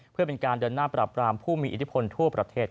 เพื่อเป็นการเดินหน้าปรับรามผู้มีอิทธิพลทั่วประเทศ